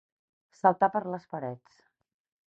Saltar per les parets.